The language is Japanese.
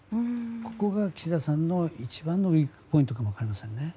ここが岸田さんの一番のウィークポイントかもしれませんね。